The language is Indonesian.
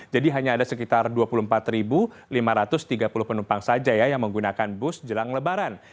jadi hanya ada sekitar dua puluh empat lima ratus tiga puluh penumpang saja yang menggunakan bus jelang lebaran